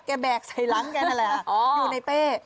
แบกใส่หลังแกนั่นแหละอยู่ในเป้